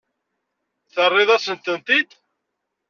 Terriḍ-asent-ten-id?